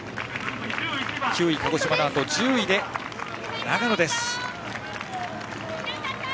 ９位、鹿児島のあと１０位で長野です。